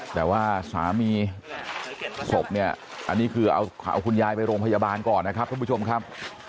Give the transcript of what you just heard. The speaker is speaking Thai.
แต่ว่าสามีศพเนี่ยอันนี้คือเอาคุณยายไปโรงพยาบาลก่อนนะครับท่านผู้ชมครับ